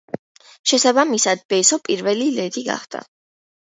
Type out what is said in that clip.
შესაბამისად ბესო პირველი ლედი გახდა.